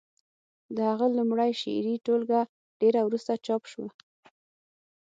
د هغه لومړۍ شعري ټولګه ډېره وروسته چاپ شوه